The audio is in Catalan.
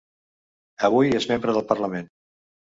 Avui és membre del Parlament.